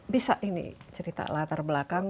bisa ini cerita latar belakang